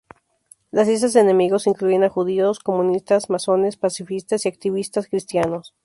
Las listas de "enemigos" incluían a judíos, comunistas, masones, pacifistas, y activistas cristianos.